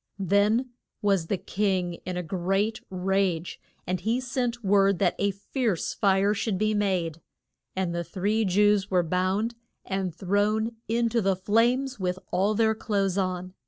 Then was the king in a great rage, and he sent word that a fierce fire should be made. And the three Jews were bound and thrown in to the flames with all their clothes on.